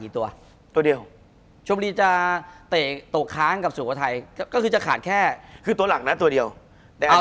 คุณผู้ชมบางท่าอาจจะไม่เข้าใจที่พิเตียร์สาร